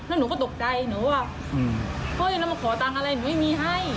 แล้วหนูก็ตกใจหนูว่าเฮ้ยเรามาขอตังค์อะไรหนูไม่มีให้